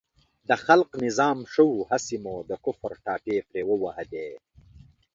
د خلق نظام ښه و، هسې مو د کفر ټاپې پرې ووهلې.